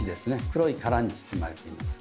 黒い殻に包まれています。